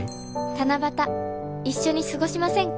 「七夕一緒に過ごしませんか？」